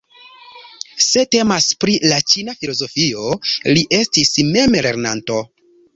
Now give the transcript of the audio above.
Se temas pri la ĉina filozofio li estis memlernanto.